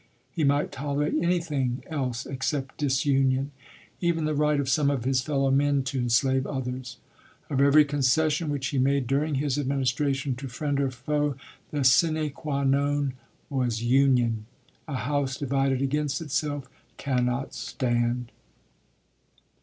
He might tolerate anything else except disunion, even the right of some of his fellowmen to enslave others. Of every concession which he made during his administration, to friend or foe, the sine qua non was Union. A house divided against itself cannot stand.